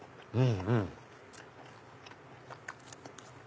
うん！